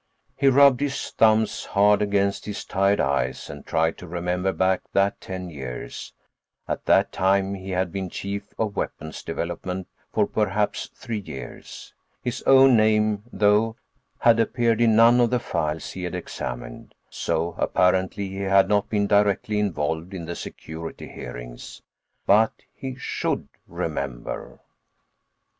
He rubbed his thumbs hard against his tired eyes and tried to remember back that ten years: at that time he had been Chief of Weapons Development for perhaps three years. His own name, though, had appeared in none of the files he had examined, so apparently he had not been directly involved in the security hearings. But he should remember.